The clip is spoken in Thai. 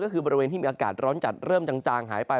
ก็คือบริเวณที่มีอากาศร้อนจัดเริ่มจางหายไป